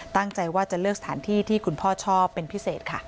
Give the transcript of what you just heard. ตั้งใจว่าจะเลือกสถานที่ที่คุณพ่อชอบเป็นพิเศษค่ะ